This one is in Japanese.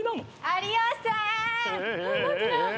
・有吉さーん！